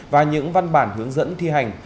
và những văn bản hướng dẫn thi hành